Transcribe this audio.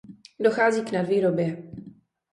Dochází k nadvýrobě.